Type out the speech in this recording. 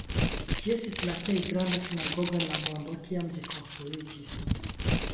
Ĝi estis la plej granda sinagogo en la mondo, kiam ĝi konstruiĝis.